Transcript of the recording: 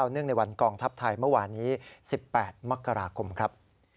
ในวันกองทัพไทยเมื่อวานนี้๑๘มกราคมครับ